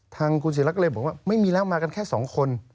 ทางคุณศิลักษ์ก็เลยบอกว่าไม่มีแล้วมากันแค่สองคน